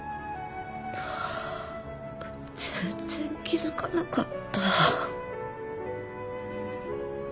全然気づかなかった。